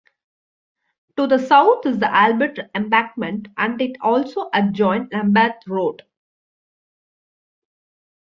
To the south is the Albert Embankment and it also adjoins Lambeth Road.